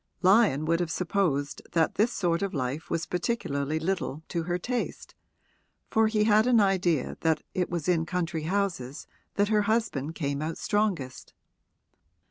Lyon would have supposed that this sort of life was particularly little to her taste, for he had an idea that it was in country houses that her husband came out strongest.